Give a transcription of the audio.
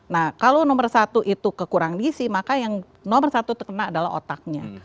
nah kalau nomor satu itu kekurangan gisi maka yang nomor satu terkena adalah otaknya